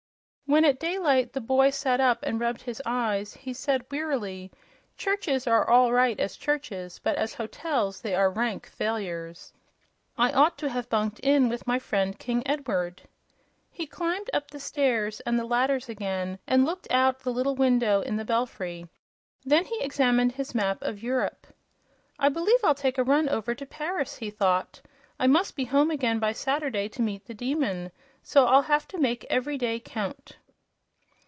When, at daylight, the boy sat up and rubbed his eyes, he said, wearily: "Churches are all right as churches; but as hotels they are rank failures. I ought to have bunked in with my friend, King Edward." He climbed up the stairs and the ladders again and looked out the little window in the belfry. Then he examined his map of Europe. "I believe I'll take a run over to Paris," he thought. "I must be home again by Saturday, to meet the Demon, so I'll have to make every day count."